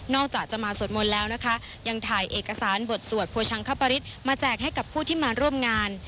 จากจะมาสวดมนต์แล้วนะคะยังถ่ายเอกสารบทสวดโภชังคปริศมาแจกให้กับผู้ที่มาร่วมงาน